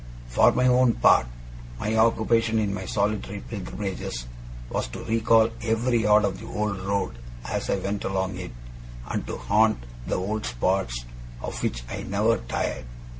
For my own part, my occupation in my solitary pilgrimages was to recall every yard of the old road as I went along it, and to haunt the old spots, of which I never tired.